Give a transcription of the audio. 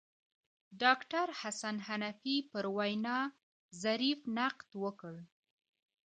ډاکتر حسن حنفي پر وینا ظریف نقد وکړ.